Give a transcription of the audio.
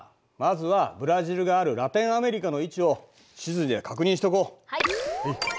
まずはブラジルがあるラテンアメリカの位置を地図で確認しておこう。